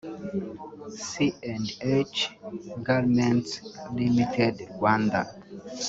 C&H Garments Ltd Rwanda